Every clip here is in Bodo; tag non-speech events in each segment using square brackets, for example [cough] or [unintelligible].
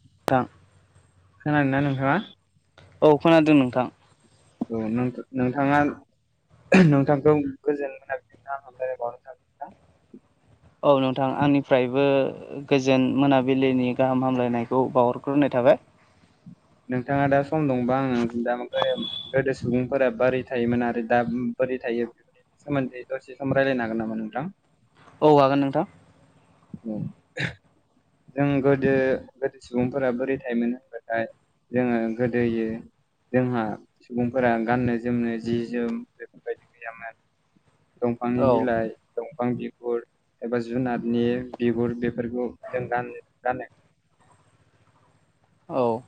नोंथां खोनादोंना नोंथाङा? औ खोनादों नोंथां। औ नों नोंथाङा नोंथांखौ गोजोन मोनाबिलिनि गाहाम हामलायनाय बावहरनाय थाबाय नोंथां। औ नोंथां आंनिफ्रायबो गोजोन मोनाबिलिनि गाहाम हामलायनायखौ बावहरग्रोनाय थाबाय। नोंथाङा दा सम दंबा आं द गोदो सुबुंफोरा बोरै थायोमोन आरो दा बोरै थायो बेफोरनि सोमोन्दै दसे सम रायजलायनो हागोन नामा नोंथां? औ हागोन नोंथां। औ जों गोदो गोदो सुबुंफोरा बोरै थायोमोन होनब्लाथाय जोङो गोदोयो जोंहा सुबुंफोरा गाननो जोमनो जि जोम बेफोरबायदि गैयामोन। दंफांनि औ बिलाइ दंफां बिफुर एबा जुनार नि बिगुर बेफोरखौ जों गानो गान औ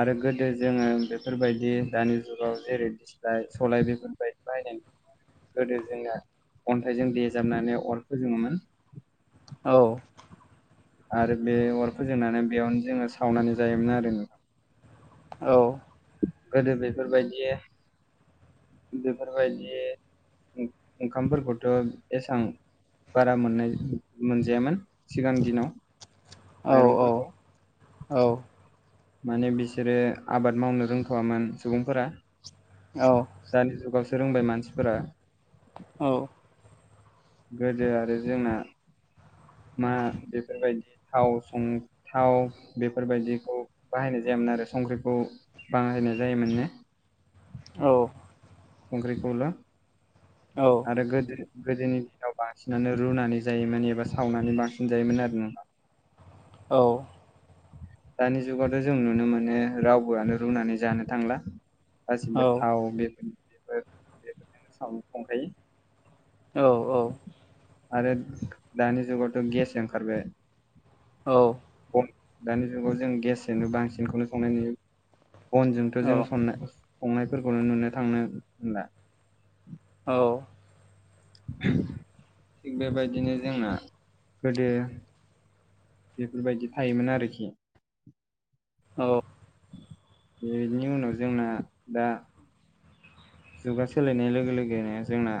आरो गोदो जोङो बेफोरबायदि दानि जुगाव जेरै दिस्लाय सलाय बेफोरबायदि बाहायनाय गोदो जोंना अन्थाइजों देजाबनानै अर फोजोङोमोन। औ आरो बे अर फोजोंनानै बेयावनो जोङो सावनानै जायोमोन आरो। औ गोदो बेफोरबायदि बेफोरबायदि ओंखामफोरखौथ' एसां बारा मोननाय मोनजायामोन सिगां दिनाव। औ माइरंफोरखौ औ माने बिसोरो आबाद मावनो रोंथ'वामोन सुबुंफोरा। औ दानि जुगावसो रोंबाय मानसिफोरा औ। गोदो आरो जोंना मा बेफोरबायदि थाव सं थाव बेफोरबायदिखौ बाहायनाय जा यामोन आरो संख्रिखौ बाहायनाय जायोमोन नो। औ। संख्रिखौल' आरो गोदो गोदोनि दिनाव बांसिनानो रुनानै जायोमोन एबा सावनानै बांसिन जायोमोन आरो ना। औ। दानि जुगावथ' जों नुनो मोनो रावबोआनो रुनानै जानो थांला। गासिबो थाव बेफोर बेफोर बेफोरजोंनो सावो संखायो। औ औ। आरो दानि जुगावथ' गेस ओंखारबाय। औ‌। बन दानि जुगाव जों गेसजोंनो बांसिनखौनो संनाय नुयो बनजोंथ' जों संनाय संनायफोरखौनो नुनो थांनो ला। औ। थिग बेबायदिनो जोंना गोदो बेफोरबायदि थायोमोन आरोखि औ। बेनि उनाव जोंना दा जुगा सोलायनाय लोगो लोगोनो जोंना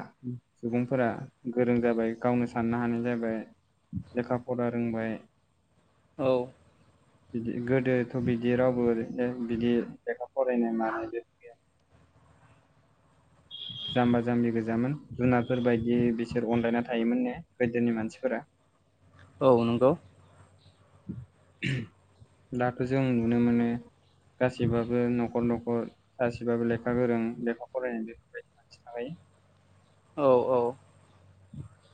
सुबुंफोरा गोरों जाबाय गावनो साननो हानाय जाबाय लेखा फरा रोंबाय औ। बिदि गोदोथ' बिदि रावबो बिदि लेखा फरायनो मानायबो गैया [inaudible] जाम्बा जाम्बि गोजामोन जुनारफोर बायदि बिसोर अनलायना थायोमोन ने गोदोनि मानसिफोरा। औ नंगौ। दाथ' जों नुनो मोनो। गासैबाबो न'खर न'खर सानसेब्लाबो लेखा गोरों लेखा फरायनाय बेफोरबायदि बाय औ औ औ।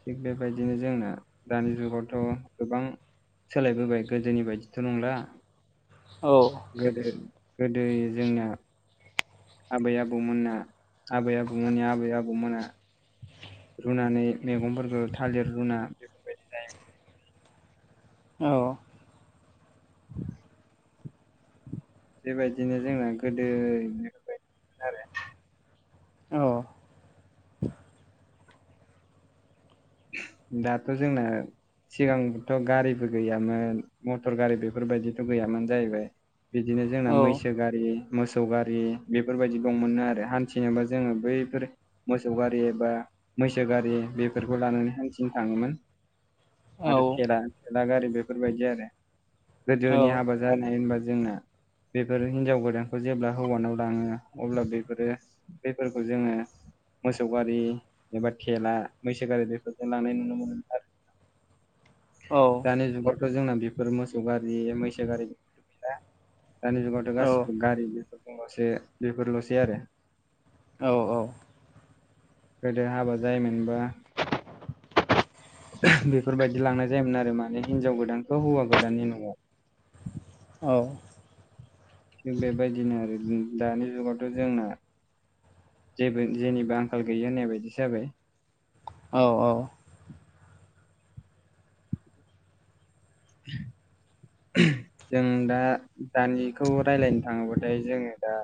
थिग बेबायदिनो जोंना दानि जुगावथ गोबां सोलायबोबाय गोदोनि बायदिथ' नंला। औ गोदो गोदो जोंना आबै आबौमोनना आबै आबौमोननि आबै आबौमोना रुनानै मैगंफोरखौ थालिर रुना बेफोरबायदि जायो। औ। [inaudible] बेबायदिनो जोंना गोदोनिबायदिमोन आरो औ। दाथ जोंना सिगांबोथ गारिबो गैयामोन मटर गारि बेफोरबायदिथ' गैयामोन जाहैबाय। बिदिनो जोंना मैसो औ गारि मोसौ गारि बेफोरबायदि दंमोनो आरो हान्थिनोबा जोङो बैफोर मोसौ गारि एबा मैसो गारि बेफोर लानानै हांसिं थाङोमोन आरो थेला थेला गारि बेफोरबायदि आरो गोदोनि हाबा जानाय होनबा जोंना बेफोरो हिनजाव गोदानखौ जेब्ला हौवानाव लाङो अब्ला बेफोरो बेफोरखौ जोङो मोसौ गारि एबा थेला। मैसो गारि दैफोरजों लांनाय नुनो मोनो आरो दानि जुगार थ जोंना बेफोर मोसौ गारि मैसो गारि गैला दानि जुगावथ गासिबो गारि बेफोरजोंल'सो बेफोरलसै आरो औ औ। गोदो हाबा जायोमोनबा। बेफोरबायदि लांनाय जायोमोन आरो माने हिनजाव गोदानखौ हौवा गोदाननि नआव। औ। ले बेदिनो आरो दानि जुगावथ जोंना। जेबो जेनिबो आंखाल गैय होननाय बायदि जाबाय। औ औ। ह जों दा दानिखौ रायज्लायनो थाङोबाथाय जोङो दा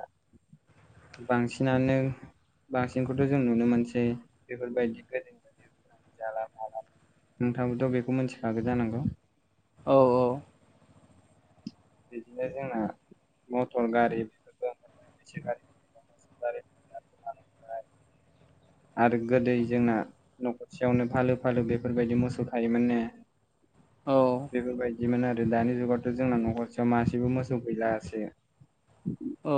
बांसिनानो बांसिनखौथ जों नुनो मोनसै बेफोरबायदि गोदोनि ब जाला माला नोंथाङाबोथ बेखौ मिथिखागौ जानांगौ। औ औ। बिदिनो जोंना मथर गारि बेफोरखौ [inaudible] आरो गोदै जोंना नखरसेयावनो फालो फालो बेफोरबायदि मोसौखायोमोननो। औ बेफोरबायदि बिदिमोन आरो दानि जुगावथ जोंना नखरसेयाव मानसिबो मोसौ गैलासो औ।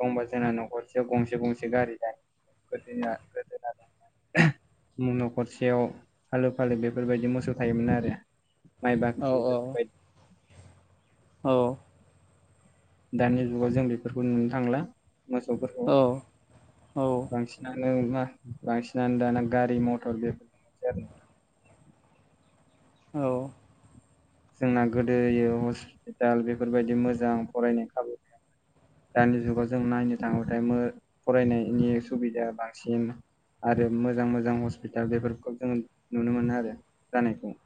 दंबा जोंना नखरसे गंसे गंसे गारि जायो गोदोना द नखरसेयाव फालो फालो बेफोरबायदि मोसौ थायोमोन आरो। माइ बाख्रि बेफोर बायदि औ। दानि जुगाव जों बेफोरखौ नुनो थांला मोसौफोरखौ बांसिनानो। न मा बांसिनानो दाना गारि मथर बेफोर दं मोनसै आरो नोंथां। औ जोंना गोदोयो हस्पिटाल बेफोरबायदि मोजां फरायनायनि खाबु गैयामोन। दानि जुगाव जों नायनो थाङोब्लाथाय मो फरायनायनि सुबिदाया बांसिन। आरो मोजां मोजां हस्पिटाल बेफोरखौ जोङो नुनो मोनो आरो जानायखौ। [inaudible]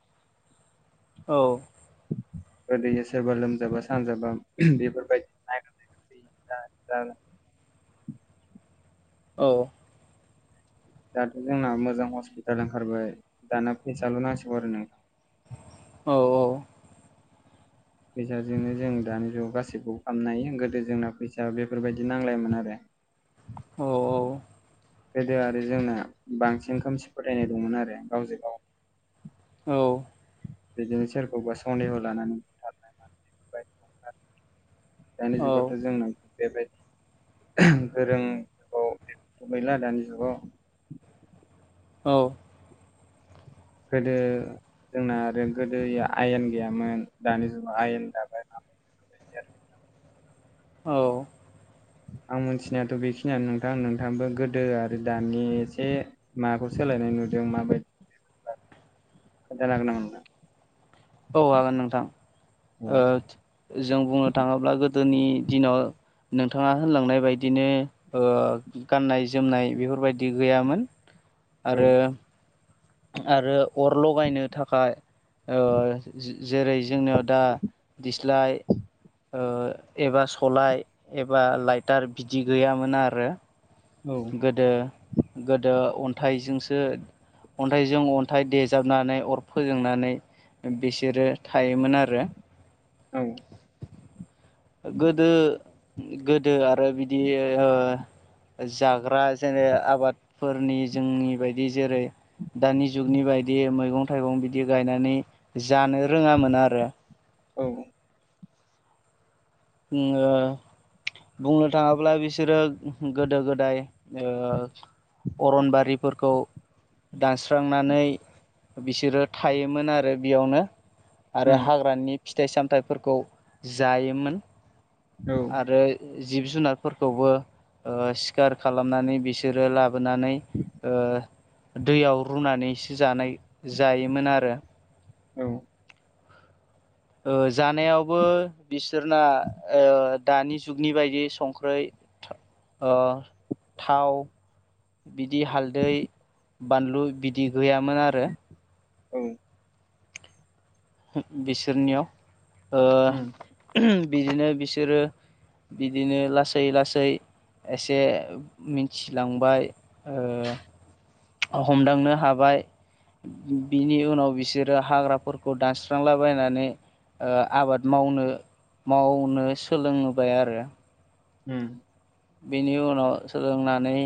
गोदोयो सोरबा लोमजाबा सानजाबा बेफोरबायदि नाय बि दा औ। दाथ' जोंना मोजां हस्पिटाल ओंखारबाय दाना फैसाल' नांसिगौ आरो नों औ औ। फैसाजोंनो जों दानि जुगाव गासैखौबो खामनो हायो गोदो जोंना फैसा बेफोरबायदि नांलायोमोन आरो। [inaudible] औ औ। गोदो आरो जोंना बांसिन खोमसि फोथायनाय दंमोन आरो गावजों गाव औ। बिदिनो सोरखौबा सन्देह' लानानै बुथारनाय म बेफोरबायदि दं आरो। दानि जुगाथ' जों बेबायदि गोरों जुगाव बेथ' गैला दानि जुगाव। औ। गोदो जोंना आरो गोदोयो आयेन गैयामोन दानि जुगाव आयेन दाबाय। आरो औ आं मिथिनायाथ' बेखिनियानो नोंथां नोंथाङाबो गोदो आरो दानि एसे माबाखौ सो सोलायनाय नुदों माबायदि खोनथानो हागोन नामा नों औ हागोन नोंथां ओ जों बुंनो थाङोब्ला गो गोदोनि दिनाव नोंथाङा होनलांनाय बायदिनो ओ गाननाय-जोमनाय बेफोरबायदि गैयामोन। आरो आरो अर लगायनो थाखाय ओ जेरै जोंनियाव दा दिस्लाय ओ एबा सलाय एबा लाइटार बिदि गैयामोन आरो औ गोदो गोदो अन्थाइजोंसो अन्थाइजों अन्थाइ देजाबनानै अर फोजोंनानै बिसोरो थायोमोन आरो औ गोदो गोदो आरो बिदि ओ जाग्रा जेने आबादफोरनि जोंनि बायदि जेरै दानि जुगनि बायदि मैगं थाइगं बिदि गायनानै जानो रोङामोन आरो। औ ओम ओ बुंनो थाङोब्ला बिसोरो गोदो-गोदाय ओ अरनबारिफोरखौ दानस्रांनानै बिसोरो थायोमोन आरो बेयावनो आरो उम हाग्रानि फिथाइ-सामथायाइफोरखौ जायोमोन। औ आरो जिब-जुनारफोरखौबो ओ सिखार खालामनानै बिसोरो लाब बोनानै ओ दैयाव रुनानैसो जानाय जायोमोन आरो औ जानायावबो बिसोरना ओ दानि जुगनि बायदि संख्रै ओ थाव बिदि हालदै बानलु बिदि गैयामोन आरो। औ बिसोरनियाव ओ उम बिदिनो बिसोरो बिदिनो लासै लासै एसे मिथिलांबाय ओ हमदांनो हाबाय बिनि उनाव बिसोरो हाग्राफोरखौ दानस्रांलाबायनानै आबाद मावनो मावनो सोलों बाय आरो उम बेनि उनाव सोलोंनानै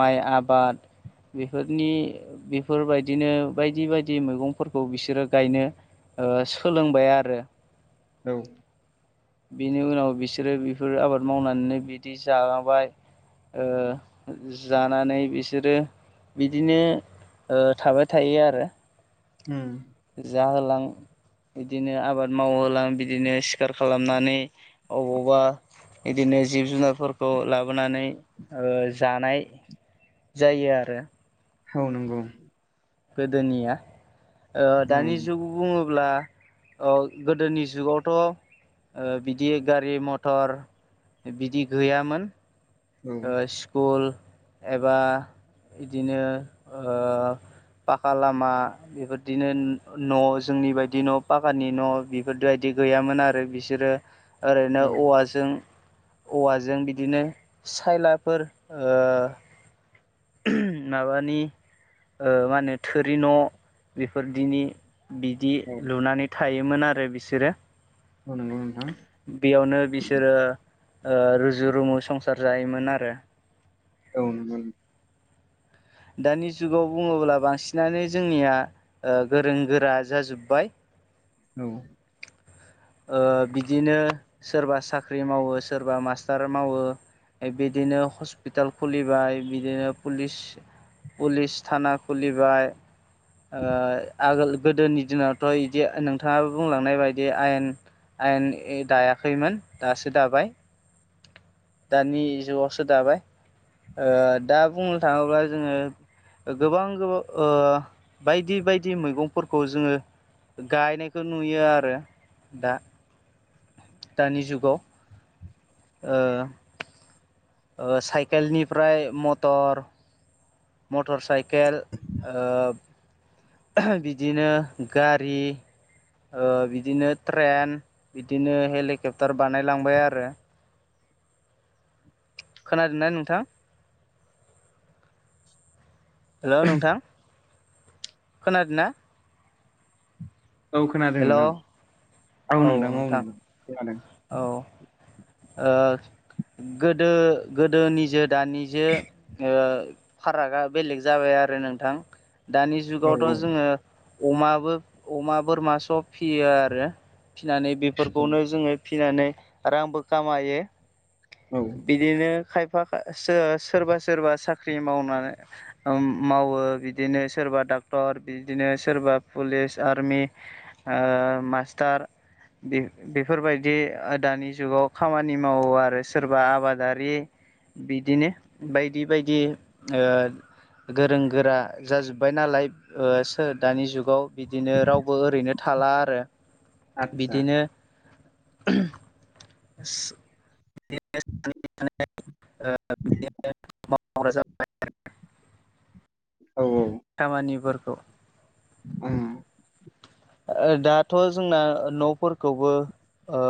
माइ आबाद बेफोरनि बेफोरबायदिनो बायदि बायदि मैगंफोरखौ बिसोरो गायनो सोलोंबाय आरो औ बिनि उनाव बिसोरो बिफोर आबाद मावनानैनो बिदि जालांबाय। जानानै बिसोरो बिदिनो थाबाय थायो आरो उम जाहोलां बिदिनो आबाद मावहोलां बिदिनो सिखार खालामनानै अबावबा इदिनो जिब जुनारफोरखौ लाबोनानै जानाय जायो आरो औ नंगौ गोदोनिया औ दानि जुगाव बुङोब्ला अब्ला गोदोनि जुगावथ' ओ बिदियो गारि मथर बिदि गैयामोन। औ ओ स्कुल एबा इदिनो ओ पाखा लामा बेफोरदिनो न जोंनि बायदि न पाखानि न बिफोर दायदि गैयामोन आरो बिसोरो ओरैनो औ औवाजों औवाजों बिदिनो सायलाफोर ओ [unintelligible] माबानि ओ मा होनो थोरि न बेफोरदिनि बिदि औ लुनानै थायोमोन आरो बिसोरो। औ नंगौ नोंथां बेयावनो बिसोरो ओ रुजु रुमु संसार जायोमोन आरो। [unintelligible] दानि जुगाव बुङोब्ला बांसिनानो जोंनिया ओ गोरों गोरा जाजोब्बाय। औ। ओ बिदिनो सोरबा साख्रि मावो सोरबा मास्टार मावो ए बिदिनो हस्पिटाल खुलिबाय बिदिनो पुलिस पुलिस थाना खुलिबाय। ओ आगोल गोदोनि दिनावथ इदि नोंथाङाबो बुंलांनाय बायदि आयेन आयेन ए दायाखैमोन दासो दाबाय। दानि जुगावसो दाबाय। ओ दा बुंनो थाङोबा जोङो गोबां गो ओ बायदि बायदि मैगंफोरखौ जोङो गायनायखौ नुयो आरो दा। दानि जुगाव ओ ओ साइकेलनिफ्राय मटर मटर साइकेल ओ बिदिनो गारि ओ बिदिनो ट्रेन बिदिनो हेलिकप्टार बानायलांबाय आरो। खोनादोंना नोंथां? हेलौ नोंथां खोनादोंना? औ खोनादों हेल' औ नोंथां औ औ नोंथां खोनादों औ। ओ गोदो गोदोनि जो दानि जो ओ फारागा बेलेग जाबाय आरो नोंथां। दानि औ जुगावथ' जोङो अमाबो अमा बोरमा सब फियो आरो। फिनानै औ बेफोरखौनो जोङो फिनानै रांबो खामायो। औ औ बिदिनो खाय फाखा सो सोरबा सोरबा साख्रि मावनाउम मावो बिदिनो सोरबा दा डाक्टर बिदिनो सोरबा पुलिस आर्मि ओ मास्टार बे बेफोरबायदि आ दानि जुगाव खामानि मावो आरो। सोरबा आबादारि बिदिनो बायदि बायदि ओ गोरों गोरा जाजोब्बाय नालाय ओ सोर दानि जुगाव बिदिनो रावबो ओरैनो थाला आरो। आदसा बिदिनो [unintelligible] [inaudible] [inaudible] खामानिफोरखौ उम ओ दाथ' जोंना न'फोरखौबो ओ